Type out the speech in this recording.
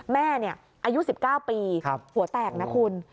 แม่อายุ๑๙ปีหัวแตกนะคุณ